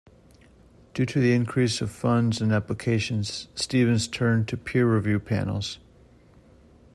Due to the increase of funds and applications Stevens turned to peer review panels.